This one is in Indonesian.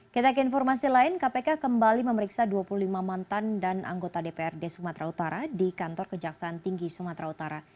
kita ke informasi lain kpk kembali memeriksa dua puluh lima mantan dan anggota dprd sumatera utara di kantor kejaksaan tinggi sumatera utara